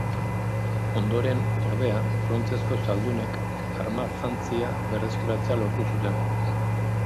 Ondoren, ordea, brontzezko zaldunek armajantzia berreskuratzea lortu zuten.